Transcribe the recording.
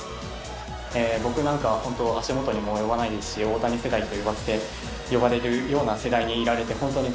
僕なんかは本当、足元にも及ばないですし、大谷世代と呼ばれるような世代にいられて、本当に